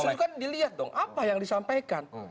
justru kan dilihat dong apa yang disampaikan